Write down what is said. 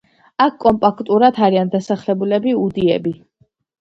აქ კომპაქტურად არიან დასახლებული უდიები.